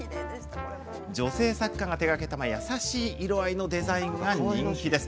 女性作家が手がけた優しい色合いのデザインが人気です。